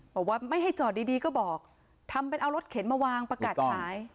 บอกว่าไม่ให้จอดดีก็บอกทำเป็นเอารถเข็นมาวางประกาศขาย